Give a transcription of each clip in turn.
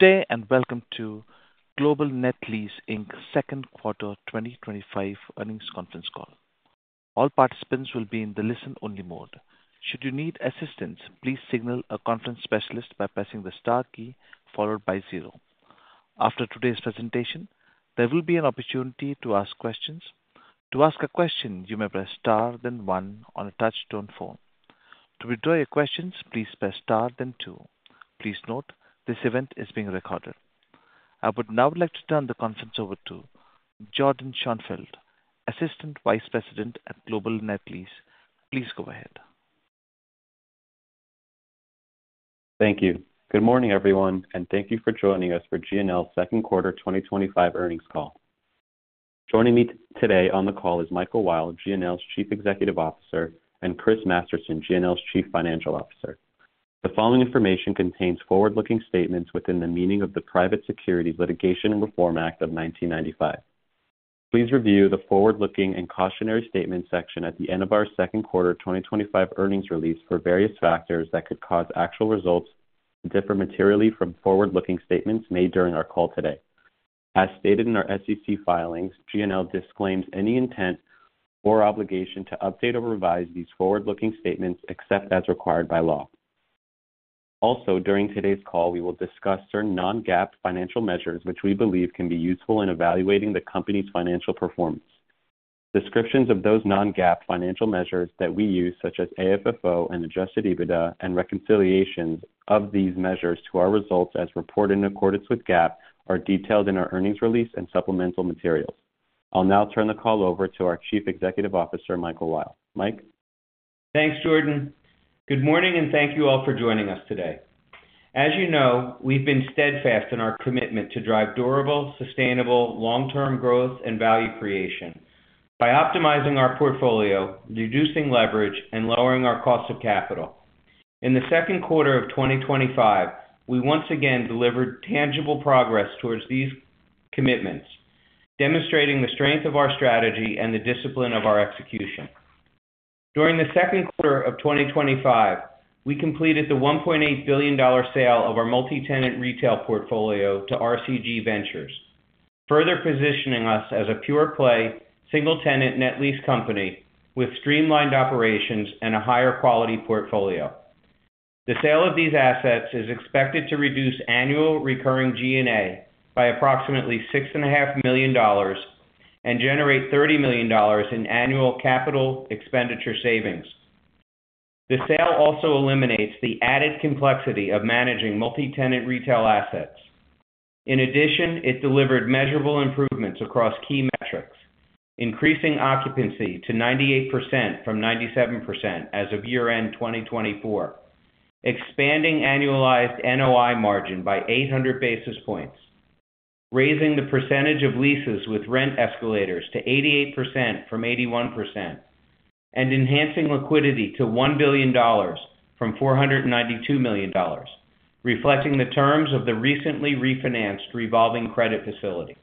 Good day and welcome to Global Net Lease Inc.'s Second Quarter 2025 Earnings Conference Call. All participants will be in the listen-only mode. Should you need assistance, please signal a conference specialist by pressing the star key followed by zero. After today's presentation, there will be an opportunity to ask questions. To ask a question, you may press star then one on a touch-tone phone. To withdraw your questions, please press star then two. Please note this event is being recorded. I would now like to turn the conference over to Jordyn Schoenfeld, Assistant Vice President at Global Net Lease. Please go ahead. Thank you. Good morning, everyone, and thank you for joining us for GNL's Second Quarter 2025 Earnings Call. Joining me today on the call is Michael Weil, GNL's Chief Executive Officer, and Chris Masterson, GNL's Chief Financial Officer. The following information contains forward-looking statements within the meaning of the Private Securities Litigation Reform Act of 1995. Please review the forward-looking and cautionary statements section at the end of our second quarter 2025 earnings release for various factors that could cause actual results to differ materially from forward-looking statements made during our call today. As stated in our SEC filings, GNL disclaims any intent or obligation to update or revise these forward-looking statements except as required by law. Also, during today's call, we will discuss certain non-GAAP financial measures which we believe can be useful in evaluating the company's financial performance. Descriptions of those non-GAAP financial measures that we use, such as AFFO and adjusted EBITDA, and reconciliations of these measures to our results as reported in accordance with GAAP, are detailed in our earnings release and supplemental materials. I'll now turn the call over to our Chief Executive Officer, Michael Weil. Mike? Thanks, Jordyn. Good morning and thank you all for joining us today. As you know, we've been steadfast in our commitment to drive durable, sustainable long-term growth and value creation by optimizing our portfolio, reducing leverage, and lowering our cost of capital. In the second quarter of 2025, we once again delivered tangible progress towards these commitments, demonstrating the strength of our strategy and the discipline of our execution. During the second quarter of 2025, we completed the $1.8 billion sale of our multi-tenant retail portfolio to RCG Ventures, further positioning us as a pure-play, single-tenant net lease company with streamlined operations and a higher quality portfolio. The sale of these assets is expected to reduce annual recurring G&A by approximately $6.5 million and generate $30 million in annual capital expenditure savings. The sale also eliminates the added complexity of managing multi-tenant retail assets. In addition, it delivered measurable improvements across key metrics: increasing occupancy to 98% from 97% as of year-end 2024, expanding annualized NOI margin by 800 basis points, raising the percentage of leases with rent escalators to 88% from 81%, and enhancing liquidity to $1 billion from $492 million, reflecting the terms of the recently refinanced revolving credit facility.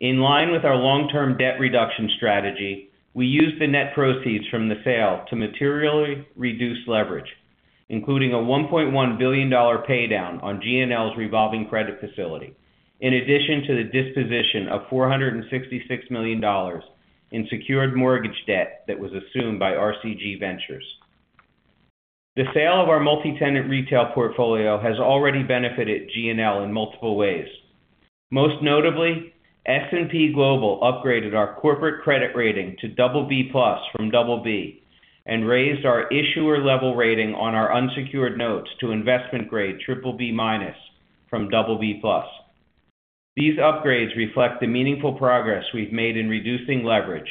In line with our long-term debt reduction strategy, we used the net proceeds from the sale to materially reduce leverage, including a $1.1 billion paydown on GNL's revolving credit facility, in addition to the disposition of $466 million in secured mortgage debt that was assumed by RCG Ventures. The sale of our multi-tenant retail portfolio has already benefited GNL in multiple ways. Most notably, S&P Global upgraded our corporate credit rating to BB+ from BB and raised our issuer-level rating on our unsecured notes to investment grade BBB- from BB+. These upgrades reflect the meaningful progress we've made in reducing leverage,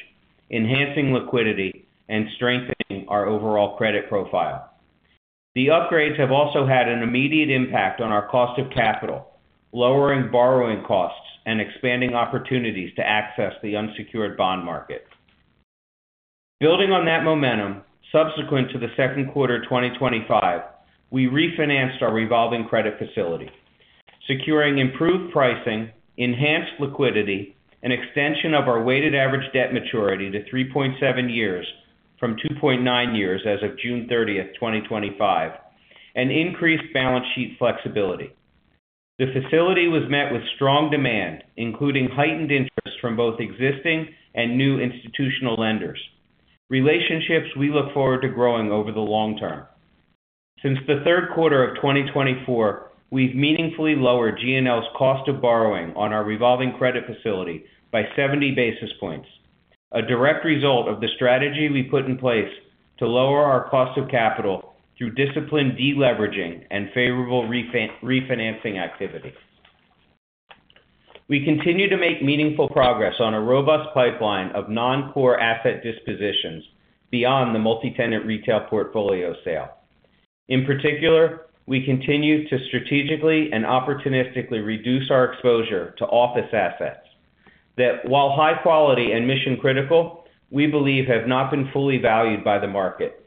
enhancing liquidity, and strengthening our overall credit profile. The upgrades have also had an immediate impact on our cost of capital, lowering borrowing costs and expanding opportunities to access the unsecured bond market. Building on that momentum, subsequent to the second quarter 2025, we refinanced our revolving credit facility, securing improved pricing, enhanced liquidity, an extension of our weighted average debt maturity to 3.7 years from 2.9 years as of June 30, 2025, and increased balance sheet flexibility. The facility was met with strong demand, including heightened interest from both existing and new institutional lenders, relationships we look forward to growing over the long term. Since the third quarter of 2024, we've meaningfully lowered GNL's cost of borrowing on our revolving credit facility by 70 basis points, a direct result of the strategy we put in place to lower our cost of capital through disciplined deleveraging and favorable refinancing activity. We continue to make meaningful progress on a robust pipeline of non-core asset dispositions beyond the multi-tenant retail portfolio sale. In particular, we continue to strategically and opportunistically reduce our exposure to office assets that, while high quality and mission critical, we believe have not been fully valued by the market.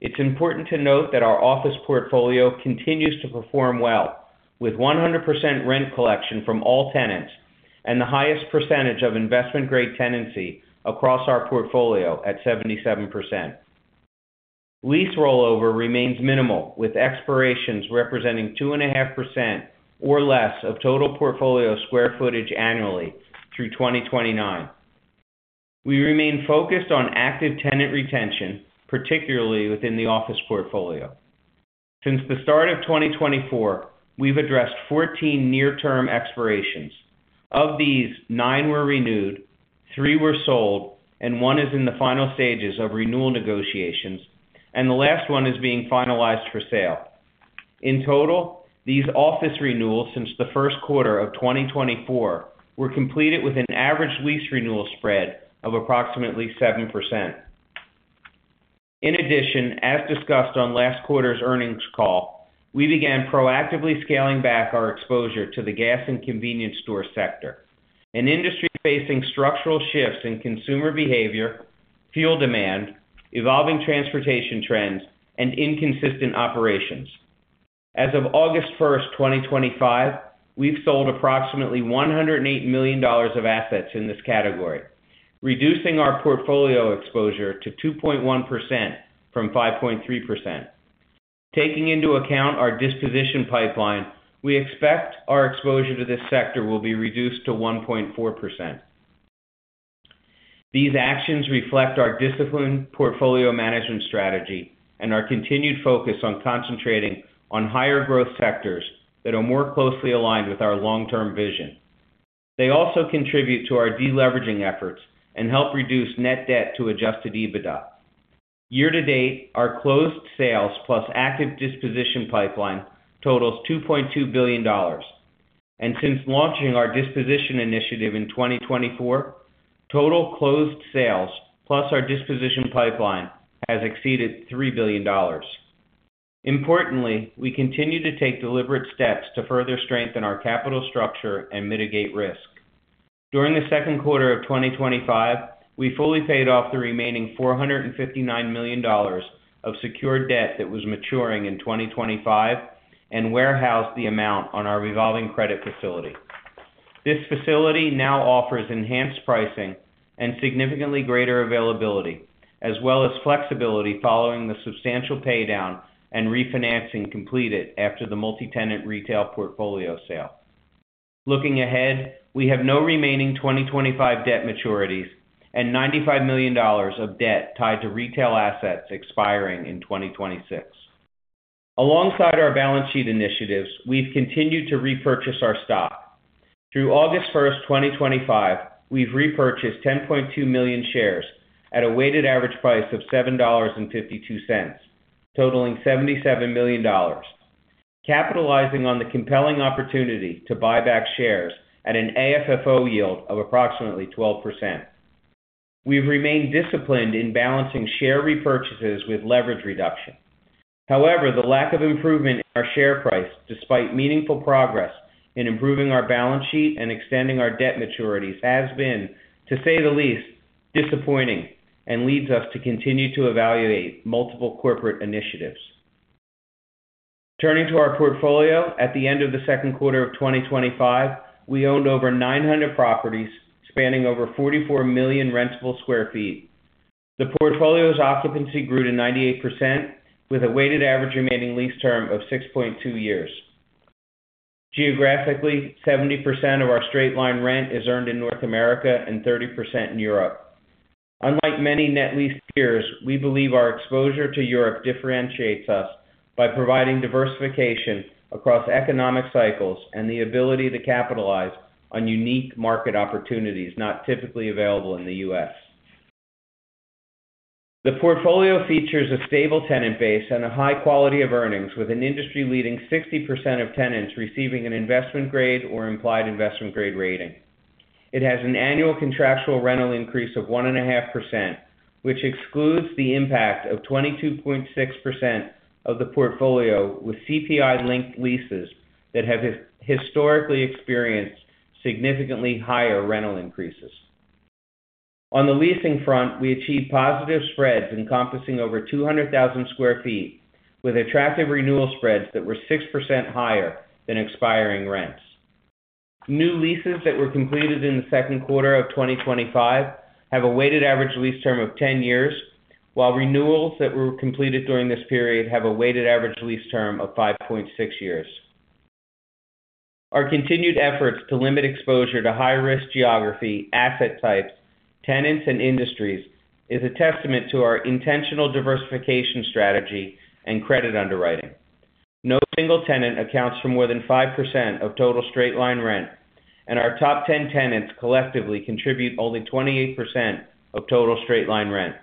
It's important to note that our office portfolio continues to perform well, with 100% rent collection from all tenants and the highest percentage of investment-grade tenancy across our portfolio at 77%. Lease rollover remains minimal, with expirations representing 2.5% or less of total portfolio square footage annually through 2029. We remain focused on active tenant retention, particularly within the office portfolio. Since the start of 2024, we've addressed 14 near-term expirations. Of these, nine were renewed, three were sold, and one is in the final stages of renewal negotiations, and the last one is being finalized for sale. In total, these office renewals since the first quarter of 2024 were completed with an average lease renewal spread of approximately 7%. In addition, as discussed on last quarter's earnings call, we began proactively scaling back our exposure to the gas and convenience store sector, an industry facing structural shifts in consumer behavior, fuel demand, evolving transportation trends, and inconsistent operations. As of August 1, 2025, we've sold approximately $108 million of assets in this category, reducing our portfolio exposure to 2.1% from 5.3%. Taking into account our disposition pipeline, we expect our exposure to this sector will be reduced to 1.4%. These actions reflect our disciplined portfolio management strategy and our continued focus on concentrating on higher growth sectors that are more closely aligned with our long-term vision. They also contribute to our deleveraging efforts and help reduce net debt to adjusted EBITDA. Year to date, our closed sales plus active disposition pipeline totals $2.2 billion, and since launching our disposition initiative in 2024, total closed sales plus our disposition pipeline has exceeded $3 billion. Importantly, we continue to take deliberate steps to further strengthen our capital structure and mitigate risk. During the second quarter of 2025, we fully paid off the remaining $459 million of secured debt that was maturing in 2025 and warehoused the amount on our revolving credit facility. This facility now offers enhanced pricing and significantly greater availability, as well as flexibility following the substantial paydown and refinancing completed after the multi-tenant retail portfolio sale. Looking ahead, we have no remaining 2025 debt maturities and $95 million of debt tied to retail assets expiring in 2026. Alongside our balance sheet initiatives, we've continued to repurchase our stock. Through August 1, 2025, we've repurchased 10.2 million shares at a weighted average price of $7.52, totaling $77 million, capitalizing on the compelling opportunity to buy back shares at an AFFO yield of approximately 12%. We've remained disciplined in balancing share repurchases with leverage reduction. However, the lack of improvement in our share price, despite meaningful progress in improving our balance sheet and extending our debt maturities, has been, to say the least, disappointing and leads us to continue to evaluate multiple corporate initiatives. Turning to our portfolio, at the end of the second quarter of 2025, we owned over 900 properties spanning over 44 million rentable square feet. The portfolio's occupancy grew to 98%, with a weighted average remaining lease term of 6.2 years. Geographically, 70% of our straight-line rent is earned in North America and 30% in Europe. Unlike many net lease peers, we believe our exposure to Europe differentiates us by providing diversification across economic cycles and the ability to capitalize on unique market opportunities not typically available in the U.S. The portfolio features a stable tenant base and a high quality of earnings, with an industry-leading 60% of tenants receiving an investment grade or implied investment grade rating. It has an annual contractual rental increase of 1.5%, which excludes the impact of 22.6% of the portfolio with CPI-linked leases that have historically experienced significantly higher rental increases. On the leasing front, we achieved positive spreads encompassing over 200,000 square feet, with attractive renewal spreads that were 6% higher than expiring rents. New leases that were completed in the second quarter of 2025 have a weighted average lease term of 10 years, while renewals that were completed during this period have a weighted average lease term of 5.6 years. Our continued efforts to limit exposure to high-risk geography, asset types, tenants, and industries are a testament to our intentional diversification strategy and credit underwriting. No single tenant accounts for more than 5% of total straight-line rent, and our top 10 tenants collectively contribute only 28% of total straight-line rent.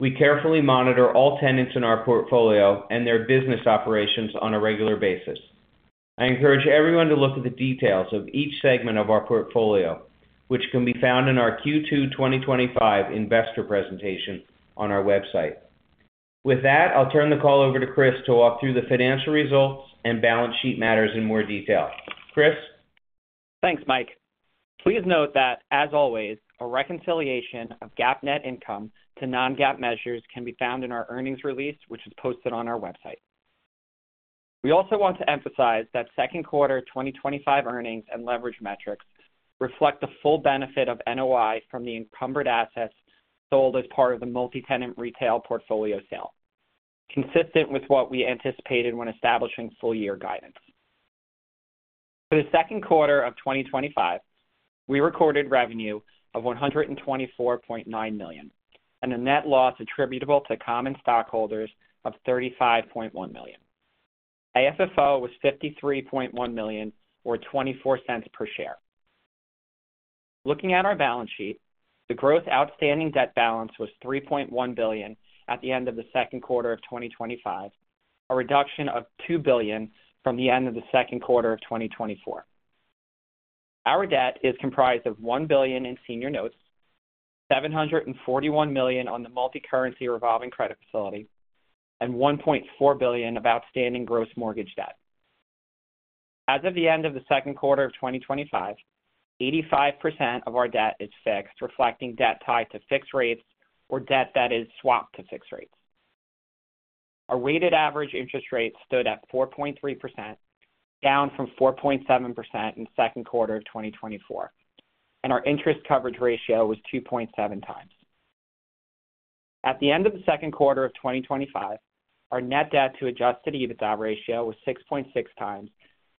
We carefully monitor all tenants in our portfolio and their business operations on a regular basis. I encourage everyone to look at the details of each segment of our portfolio, which can be found in our Q2 2025 investor presentation on our website. With that, I'll turn the call over to Chris to walk through the financial results and balance sheet matters in more detail. Chris? Thanks, Mike. Please note that, as always, a reconciliation of GAAP net income to non-GAAP measures can be found in our earnings release, which is posted on our website. We also want to emphasize that second quarter 2025 earnings and leverage metrics reflect the full benefit of NOI from the encumbered assets sold as part of the multi-tenant retail portfolio sale, consistent with what we anticipated when establishing full-year guidance. For the second quarter of 2025, we recorded revenue of $124.9 million and a net loss attributable to common stockholders of $35.1 million. AFFO was $53.1 million or $0.24 per share. Looking at our balance sheet, the gross outstanding debt balance was $3.1 billion at the end of the second quarter of 2025, a reduction of $2 billion from the end of the second quarter of 2024. Our debt is comprised of $1 billion in senior notes, $741 million on the multi-currency revolving credit facility, and $1.4 billion of outstanding gross mortgage debt. As of the end of the second quarter of 2025, 85% of our debt is fixed, reflecting debt tied to fixed rates or debt that is swapped to fixed rates. Our weighted average interest rate stood at 4.3%, down from 4.7% in the second quarter of 2024, and our interest coverage ratio was 2.7 times. At the end of the second quarter of 2025, our net debt to adjusted EBITDA ratio was 6.6x,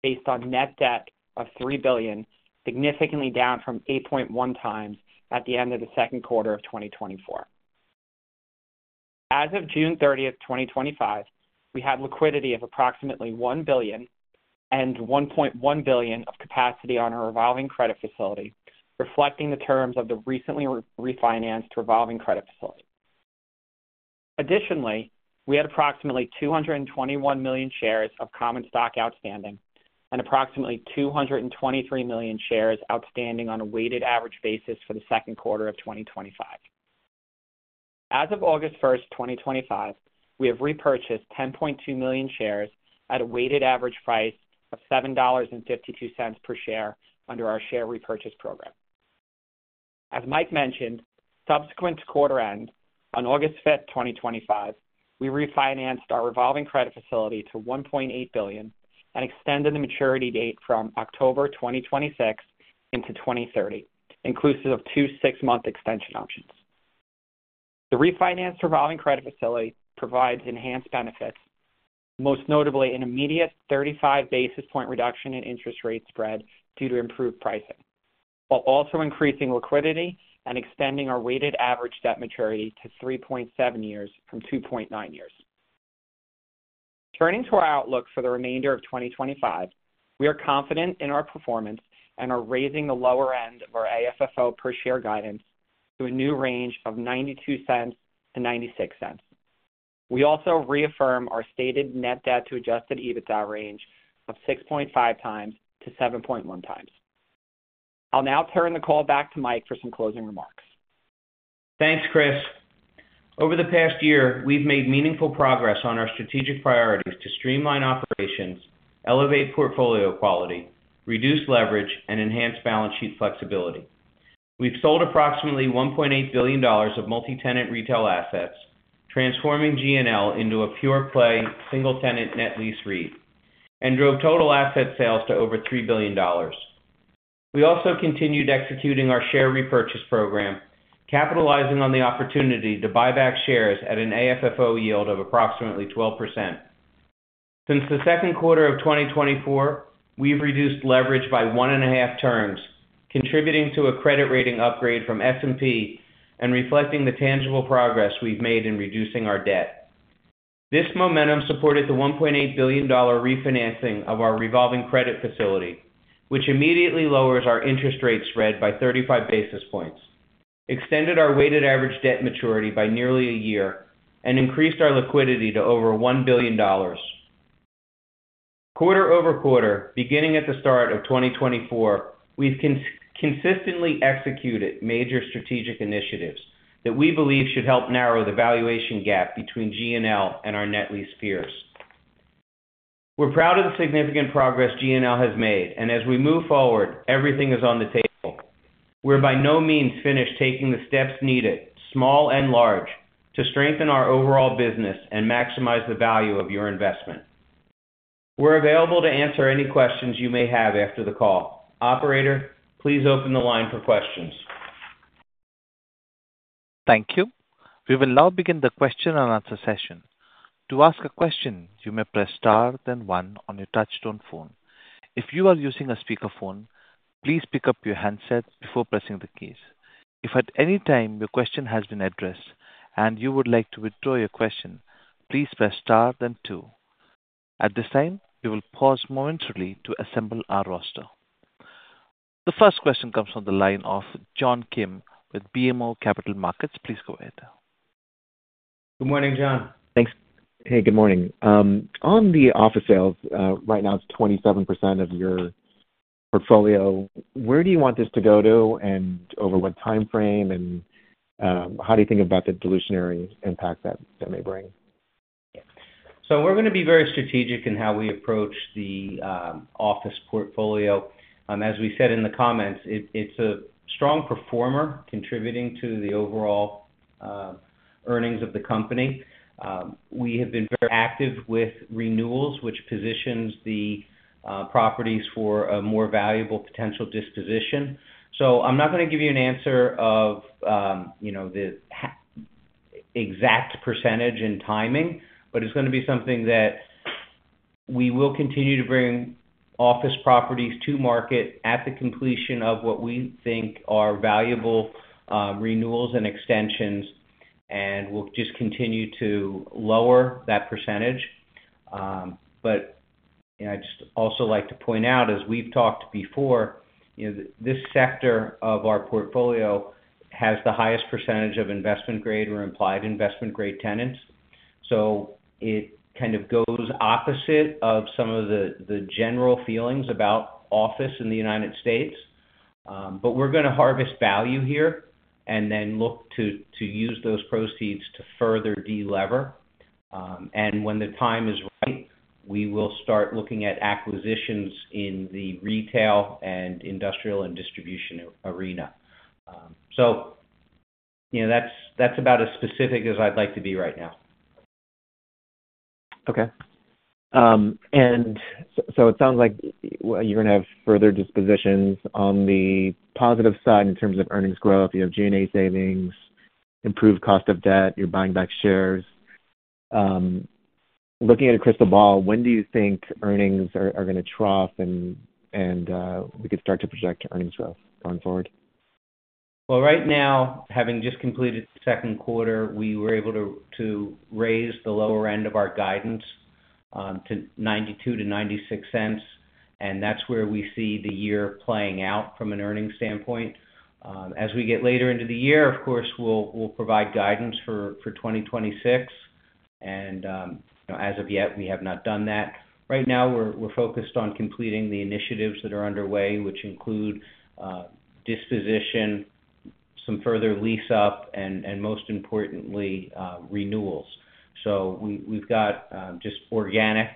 based on net debt of $3 billion, significantly down from 8.1x at the end of the second quarter of 2024. As of June 30th, 2025, we had liquidity of approximately $1 billion and $1.1 billion of capacity on our revolving credit facility, reflecting the terms of the recently refinanced revolving credit facility. Additionally, we had approximately 221 million shares of common stock outstanding and approximately 223 million shares outstanding on a weighted average basis for the second quarter of 2025. As of August 1st, 2025, we have repurchased 10.2 million shares at a weighted average price of $7.52 per share under our share repurchase program. As Mike mentioned, subsequent to quarter end on August 5, 2025, we refinanced our revolving credit facility to $1.8 billion and extended the maturity date from October 2026 into 2030, inclusive of two six-month extension options. The refinanced revolving credit facility provides enhanced benefits, most notably an immediate 35 basis point reduction in interest rate spread due to improved pricing, while also increasing liquidity and extending our weighted average debt maturity to 3.7 years from 2.9 years. Turning to our outlook for the remainder of 2025, we are confident in our performance and are raising the lower end of our AFFO per share guidance to a new range of $0.92-$0.96. We also reaffirm our stated net debt to adjusted EBITDA range of 6.5x to 7.1x. I'll now turn the call back to Mike for some closing remarks. Thanks, Chris. Over the past year, we've made meaningful progress on our strategic priorities to streamline operations, elevate portfolio quality, reduce leverage, and enhance balance sheet flexibility. We've sold approximately $1.8 billion of multi-tenant retail assets, transforming GNL into a pure-play single-tenant net lease REIT and drove total asset sales to over $3 billion. We also continued executing our share repurchase program, capitalizing on the opportunity to buy back shares at an AFFO yield of approximately 12%. Since the second quarter of 2024, we've reduced leverage by one and a half turns, contributing to a credit rating upgrade from S&P Global and reflecting the tangible progress we've made in reducing our debt. This momentum supported the $1.8 billion refinancing of our revolving credit facility, which immediately lowers our interest rate spread by 35 basis points, extended our weighted average debt maturity by nearly a year, and increased our liquidity to over $1 billion. Quarter over quarter, beginning at the start of 2024, we've consistently executed major strategic initiatives that we believe should help narrow the valuation gap between GNL and our net lease peers. We're proud of the significant progress GNL has made, and as we move forward, everything is on the table. We're by no means finished taking the steps needed, small and large, to strengthen our overall business and maximize the value of your investment. We're available to answer any questions you may have after the call. Operator, please open the line for questions. Thank you. We will now begin the question-and-answer session. To ask a question, you may press star then one on your touch-tone phone. If you are using a speakerphone, please pick up your handset before pressing the keys. If at any time your question has been addressed and you would like to withdraw your question, please press star then two. At this time, we will pause momentarily to assemble our roster. The first question comes from the line of John Kim with BMO Capital Markets. Please go ahead. Good morning, John. Hey, good morning. On the office sales, right now it's 27% of your portfolio. Where do you want this to go to and over what time frame? How do you think about the dilutionary impact that that may bring? We are going to be very strategic in how we approach the office portfolio. As we said in the comments, it's a strong performer contributing to the overall earnings of the company. We have been very active with renewals, which positions the properties for a more valuable potential disposition. I'm not going to give you an answer of the exact percentage in timing, but it's going to be something that we will continue to bring office properties to market at the completion of what we think are valuable renewals and extensions, and we will just continue to lower that percentage. I'd just also like to point out, as we've talked before, this sector of our portfolio has the highest percentage of investment grade or implied investment grade tenants. It kind of goes opposite of some of the general feelings about office in the U.S. We are going to harvest value here and then look to use those proceeds to further delever. When the time is right, we will start looking at acquisitions in the retail and industrial and distribution arena. That's about as specific as I'd like to be right now. It sounds like you are going to have further dispositions on the positive side in terms of earnings growth. You have G&A savings, improved cost of debt, you are buying back shares. Looking at a crystal ball, when do you think earnings are going to trough and we could start to project earnings growth going forward? Right now, having just completed the second quarter, we were able to raise the lower end of our guidance to $0.92 to $0.96, and that's where we see the year playing out from an earnings standpoint. As we get later into the year, of course, we will provide guidance for 2026. As of yet, we have not done that. Right now, we are focused on completing the initiatives that are underway, which include disposition, some further lease up, and most importantly, renewals. We have just organic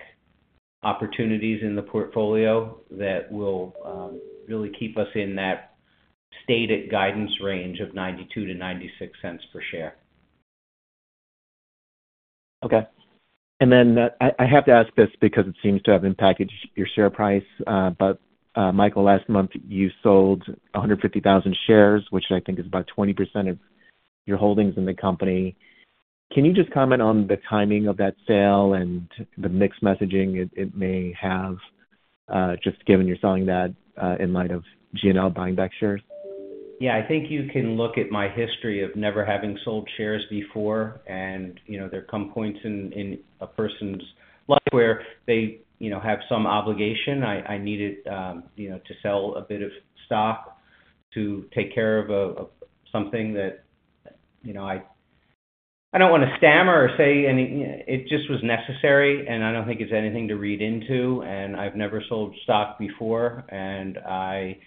opportunities in the portfolio that will really keep us in that stated guidance range of $0.92 to $0.96 per share. OK. I have to ask this because it seems to have impacted your share price. Michael, last month you sold 150,000 shares, which I think is about 20% of your holdings in the company. Can you just comment on the timing of that sale and the mixed messaging it may have, just given you're selling that in light of GNL buying back shares? I think you can look at my history of never having sold shares before. There come points in a person's life where they have some obligation. I needed to sell a bit of stock to take care of something. It just was necessary, and I don't think it's anything to read into. I've never sold stock before, and I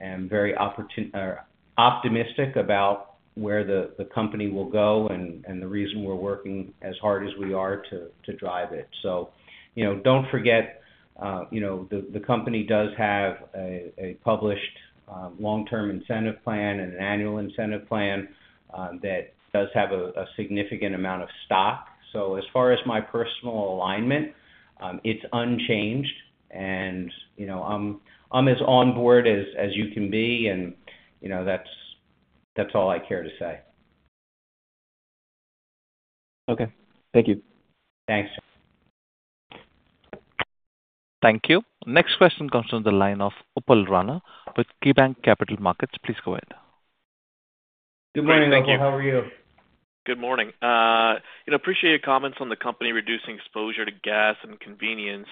am very optimistic about where the company will go and the reason we're working as hard as we are to drive it. The company does have a published long-term incentive plan and an annual incentive plan that does have a significant amount of stock. As far as my personal alignment, it's unchanged. I'm as on board as you can be, and that's all I care to say. OK, thank you. Thanks, John. Thank you. Next question comes from the line of Upal Rana with KeyBanc Capital Markets. Please go ahead. Good morning, thank you. How are you? Good morning. Appreciate your comments on the company reducing exposure to gas and convenience.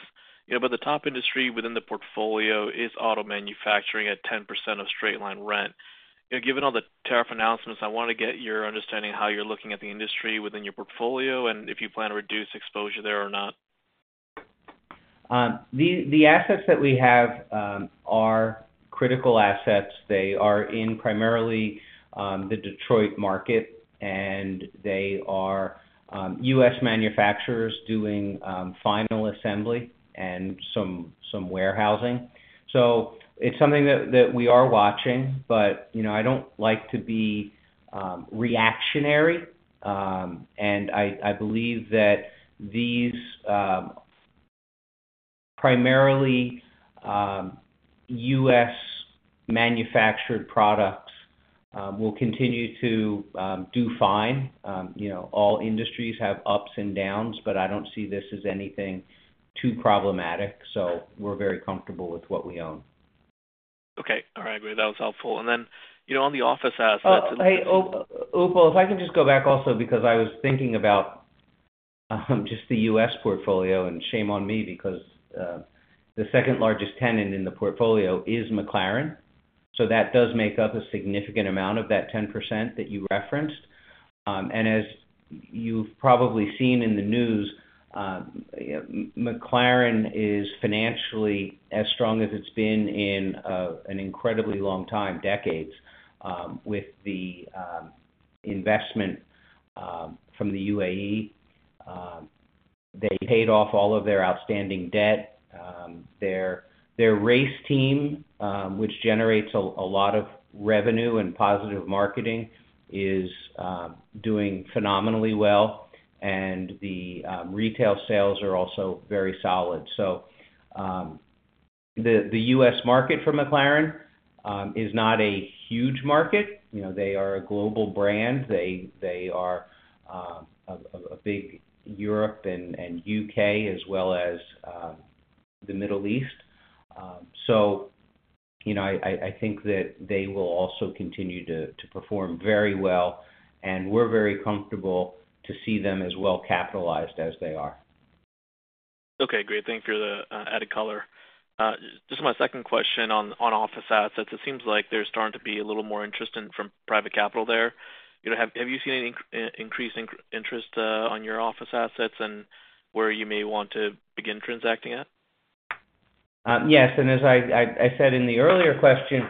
The top industry within the portfolio is auto manufacturing at 10% of straight-line rent. Given all the tariff announcements, I want to get your understanding of how you're looking at the industry within your portfolio and if you plan to reduce exposure there or not. The assets that we have are critical assets. They are in primarily the Detroit market, and they are U.S. manufacturers doing final assembly and some warehousing. It is something that we are watching, but I don't like to be reactionary. I believe that these primarily U.S. manufactured products will continue to do fine. All industries have ups and downs, but I don't see this as anything too problematic. We're very comfortable with what we own. OK. All right, I agree. That was helpful. On the office assets. Upal, if I can just go back also because I was thinking about just the U.S. portfolio, and shame on me because the second largest tenant in the portfolio is McLaren. That does make up a significant amount of that 10% that you referenced. As you've probably seen in the news, McLaren is financially as strong as it's been in an incredibly long time, decades, with the investment from the UAE. They paid off all of their outstanding debt. Their race team, which generates a lot of revenue and positive marketing, is doing phenomenally well. The retail sales are also very solid. The U.S. market for McLaren is not a huge market. They are a global brand. They are big in Europe and the UK, as well as the Middle East. I think that they will also continue to perform very well. We're very comfortable to see them as well capitalized as they are. OK, great. Thank you for the added color. This is my second question on office assets. It seems like there's starting to be a little more interest from private capital there. Have you seen any increase in interest on your office assets and where you may want to begin transacting at? Yes, as I said in the earlier question,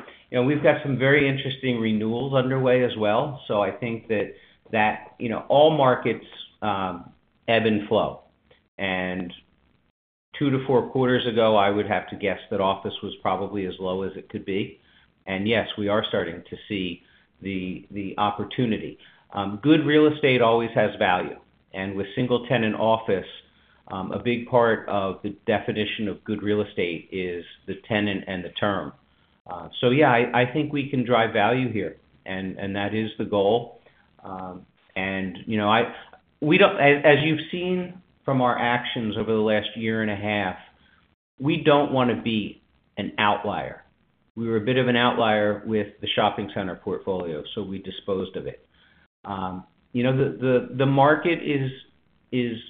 we've got some very interesting renewals underway as well. I think that all markets ebb and flow. Two to four quarters ago, I would have to guess that office was probably as low as it could be. Yes, we are starting to see the opportunity. Good real estate always has value. With single-tenant office, a big part of the definition of good real estate is the tenant and the term. I think we can drive value here, and that is the goal. As you've seen from our actions over the last year and a half, we don't want to be an outlier. We were a bit of an outlier with the shopping center portfolio, so we disposed of it. The market is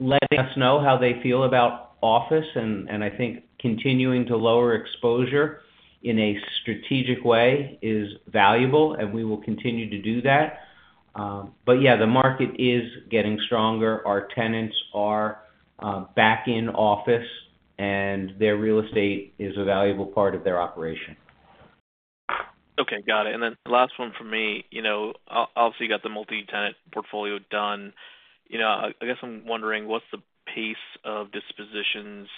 letting us know how they feel about office, and I think continuing to lower exposure in a strategic way is valuable, and we will continue to do that. The market is getting stronger. Our tenants are back in office, and their real estate is a valuable part of their operation. OK, got it. The last one for me. Obviously, you got the multi-tenant portfolio done. I guess I'm wondering, what's the pace of dispositions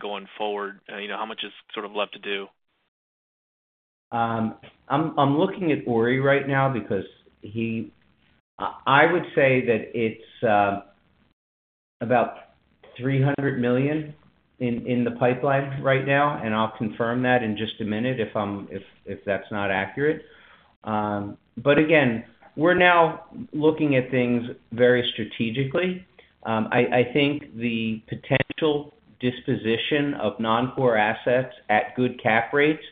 going forward? How much is sort of left to do? I'm looking at ORI right now because I would say that it's about $300 million in the pipeline right now, and I'll confirm that in just a minute if that's not accurate. Again, we're now looking at things very strategically. I think the potential disposition of non-core assets at good cap rates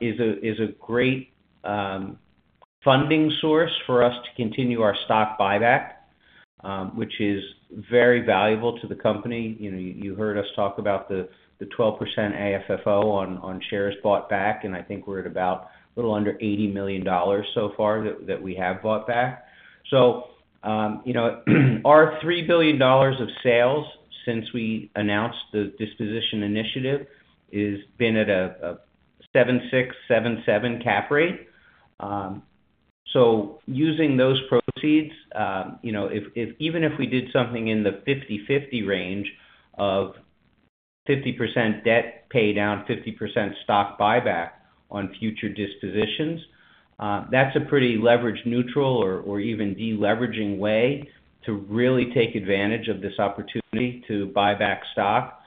is a great funding source for us to continue our stock buyback, which is very valuable to the company. You heard us talk about the 12% AFFO on shares bought back, and I think we're at about a little under $80 million so far that we have bought back. Our $3 billion of sales since we announced the disposition initiative has been at a 7.6, 7.7 cap rate. Using those proceeds, even if we did something in the 50/50 range of 50% debt paydown, 50% stock buyback on future dispositions, that's a pretty leverage neutral or even deleveraging way to really take advantage of this opportunity to buy back stock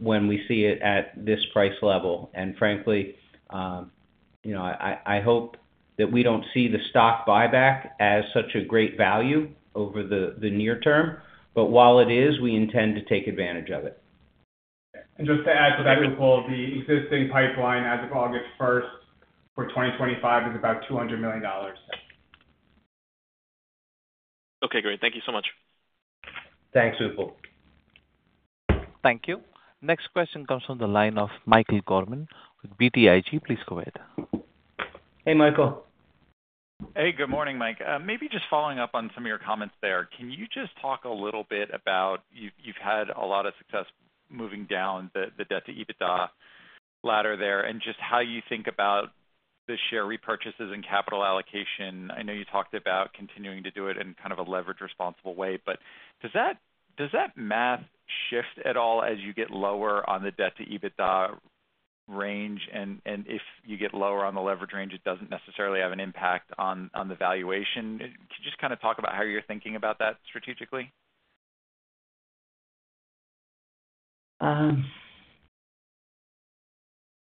when we see it at this price level. Frankly, I hope that we don't see the stock buyback as such a great value over the near term. While it is, we intend to take advantage of it. To add to that, Upal, the existing pipeline as of August 1, 2025, is about $200 million. OK, great. Thank you so much. Thanks, Upal. Thank you. Next question comes from the line of Michael Gorman with BTIG. Please go ahead. Hey, Michael. Hey, good morning, Mike. Maybe just following up on some of your comments there. Can you just talk a little bit about you've had a lot of success moving down the debt to EBITDA ladder there and just how you think about the share repurchases and capital allocation? I know you talked about continuing to do it in kind of a leverage responsible way, but does that math shift at all as you get lower on the debt to EBITDA range? If you get lower on the leverage range, it doesn't necessarily have an impact on the valuation. Could you just kind of talk about how you're thinking about that strategically? I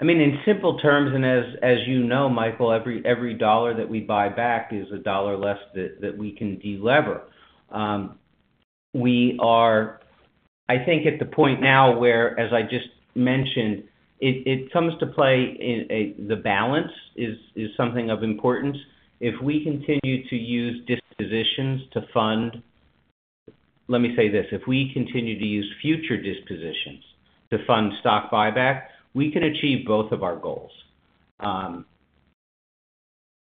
mean, in simple terms, and as you know, Michael, every dollar that we buy back is a dollar less that we can delever. We are, I think, at the point now where, as I just mentioned, it comes to play in the balance is something of importance. If we continue to use dispositions to fund—let me say this—if we continue to use future dispositions to fund stock buyback, we can achieve both of our goals.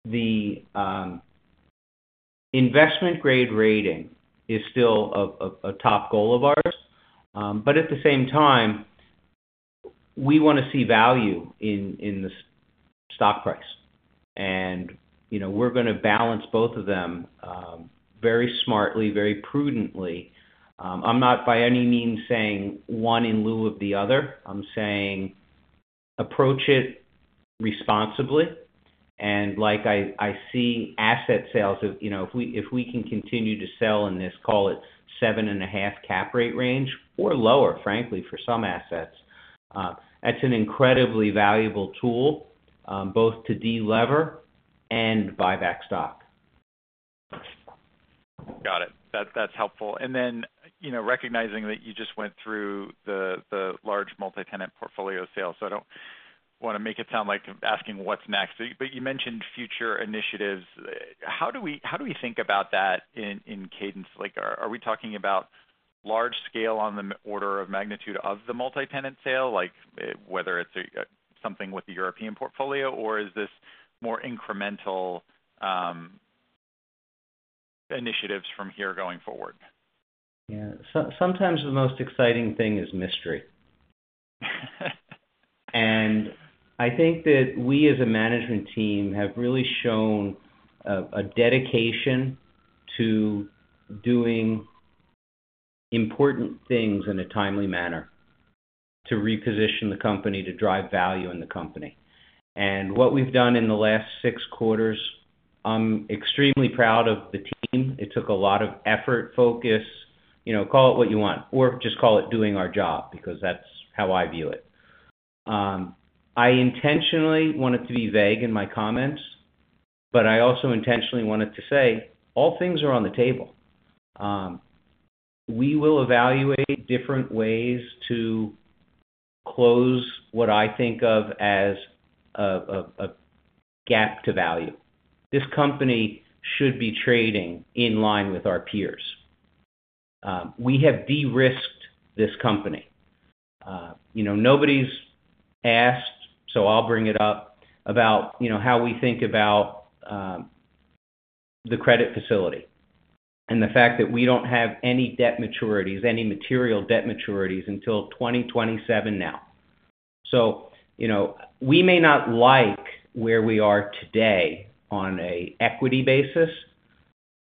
The investment grade rating is still a top goal of ours. At the same time, we want to see value in the stock price. We're going to balance both of them very smartly, very prudently. I'm not by any means saying one in lieu of the other. I'm saying approach it responsibly. Like I see asset sales, if we can continue to sell in this, call it 7.5% cap rate range or lower, frankly, for some assets, it's an incredibly valuable tool both to delever and buy back stock. Got it. That's helpful. Recognizing that you just went through the large multi-tenant portfolio sales, I don't want to make it sound like asking what's next. You mentioned future initiatives. How do we think about that in cadence? Are we talking about large scale on the order of magnitude of the multi-tenant sale, like whether it's something with the European portfolio, or is this more incremental initiatives from here going forward? Yeah, sometimes the most exciting thing is mystery. I think that we, as a management team, have really shown a dedication to doing important things in a timely manner to reposition the company, to drive value in the company. What we've done in the last six quarters, I'm extremely proud of the team. It took a lot of effort, focus, call it what you want, or just call it doing our job because that's how I view it. I intentionally wanted to be vague in my comments, but I also intentionally wanted to say all things are on the table. We will evaluate different ways to close what I think of as a gap to value. This company should be trading in line with our peers. We have de-risked this company. Nobody's asked, so I'll bring it up, about how we think about the revolving credit facility and the fact that we don't have any debt maturities, any material debt maturities until 2027 now. We may not like where we are today on an equity basis,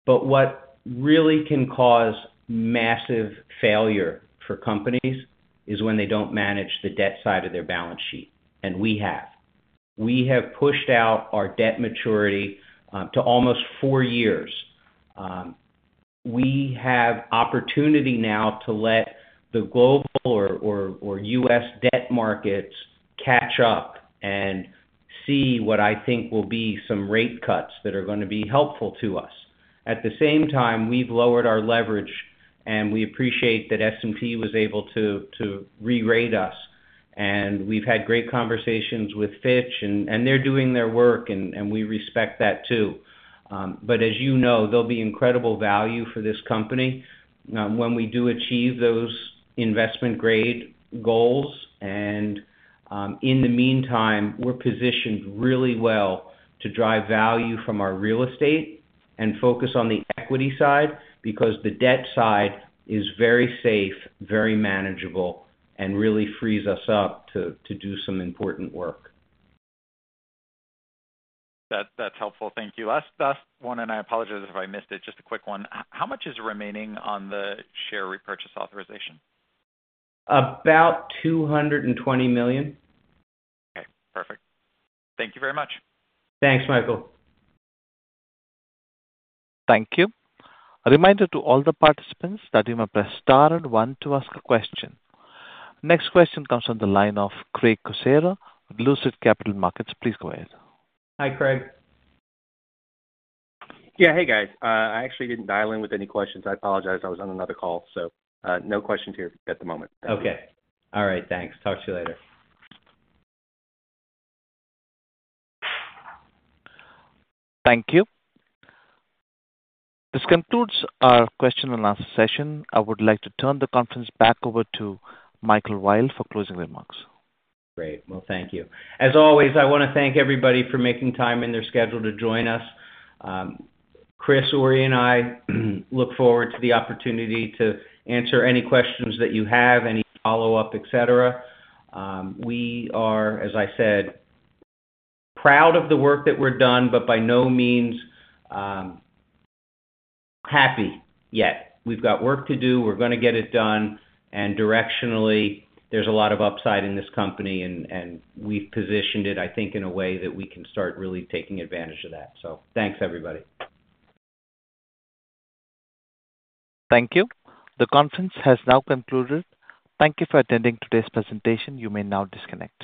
but what really can cause massive failure for companies is when they don't manage the debt side of their balance sheet. We have. We have pushed out our debt maturity to almost four years. We have opportunity now to let the global or U.S. debt markets catch up and see what I think will be some rate cuts that are going to be helpful to us. At the same time, we've lowered our leverage, and we appreciate that S&P Global was able to re-rate us. We've had great conversations with Fitch, and they're doing their work, and we respect that too. As you know, there will be incredible value for this company when we do achieve those investment grade goals. In the meantime, we're positioned really well to drive value from our real estate and focus on the equity side because the debt side is very safe, very manageable, and really frees us up to do some important work. That's helpful. Thank you. Last one, and I apologize if I missed it, just a quick one. How much is remaining on the share repurchase authorization? About $220 million. OK, perfect. Thank you very much. Thanks, Michael. Thank you. A reminder to all the participants that you may press star and one to ask a question. Next question comes from the line of Craig Cusero, LucidCapital Markets. Please go ahead. Hi, Craig. Yeah, hey, guys. I actually didn't dial in with any questions. I apologize. I was on another call. No questions here at the moment. OK. All right, thanks. Talk to you later. Thank you. This concludes our question-and-answer session. I would like to turn the conference back over to Michael Weil for closing remarks. Great. Thank you. As always, I want to thank everybody for making time in their schedule to join us. Chris, Ori, and I look forward to the opportunity to answer any questions that you have, any follow-up, et cetera. We are, as I said, proud of the work that we've done, but by no means happy yet. We've got work to do. We're going to get it done. Directionally, there's a lot of upside in this company, and we've positioned it, I think, in a way that we can start really taking advantage of that. Thanks, everybody. Thank you. The conference has now concluded. Thank you for attending today's presentation. You may now disconnect.